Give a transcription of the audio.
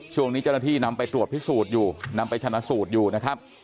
ช่วงนี้เจ้าหน้าที่นำไปตรวจพิสูจน์อยู่นำไปชนะสูตรอยู่นะครับ